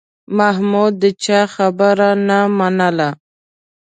محمود د چا خبره نه منله